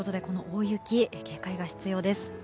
この大雪、警戒が必要です。